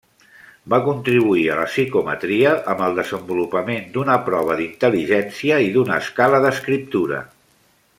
Va contribuir a la psicometria amb el desenvolupament d'una prova d'intel·ligència i d'una escala d'escriptura.